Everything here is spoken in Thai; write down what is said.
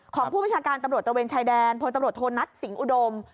ของผู้บัญชากานตำรวจตะเวียนชายแดนทวนตะบรวดโทนนัทสิงอุดม